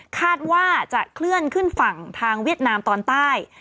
คาดว่าจะเคลื่อนขึ้นฝั่งทางเวียดนามตอนใต้